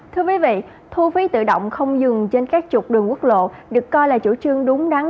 thưa quý vị thu phí tự động không dừng trên các trục đường quốc lộ được coi là chủ trương đúng đắn